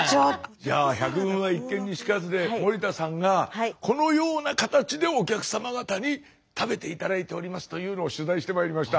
じゃあ百聞は一見にしかずで森田さんがこのような形でお客様方に食べて頂いておりますというのを取材してまいりました。